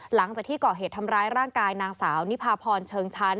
หลังจากที่ก่อเหตุทำร้ายร่างกายนางสาวนิพาพรเชิงชั้น